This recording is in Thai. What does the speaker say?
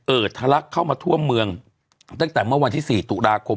ทะลักเข้ามาทั่วเมืองตั้งแต่เมื่อวันที่๔ตุลาคม